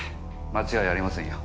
間違いありませんよ。